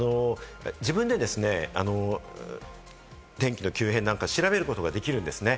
自分でですね、天気の急変なんか調べることができるんですね。